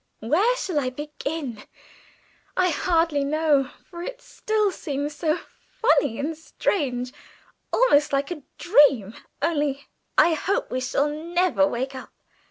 Where shall I begin? I hardly know, for it still seems so funny and strange almost like a dream only I hope we shall never wake up.